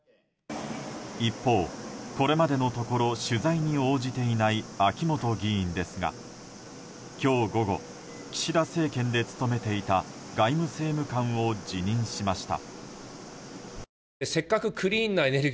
一方、これまでのところ取材に応じていない秋本議員ですが今日午後、岸田政権で務めていた外務政務官を辞任しました。